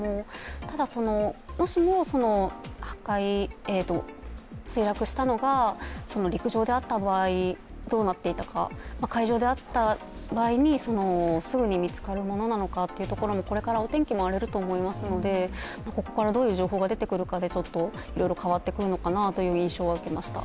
ただ、もしも破壊、墜落したのが陸上であった場合どうなっていたか、海上で会った場合に、すぐに見つかるものなのかもこれからお天気も荒れると思いますので、ここからどういう情報が出てくるかで、いろいろ変わってくるのかなという印象を受けました。